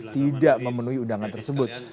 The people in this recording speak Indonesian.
tidak memenuhi undangan tersebut